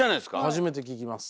初めて聞きます。